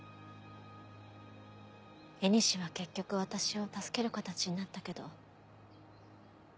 縁は結局私を助ける形になったけど。